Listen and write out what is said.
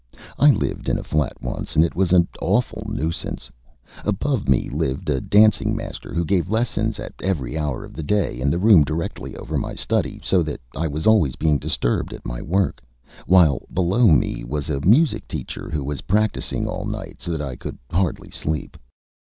I lived in a flat once, and it was an awful nuisance. Above me lived a dancing master who gave lessons at every hour of the day in the room directly over my study, so that I was always being disturbed at my work, while below me was a music teacher who was practising all night, so that I could hardly sleep.